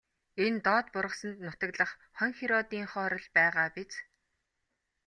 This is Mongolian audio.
Энэ доод бургасанд нутаглах хонхироодынхоор л байгаа биз.